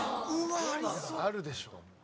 あるでしょ。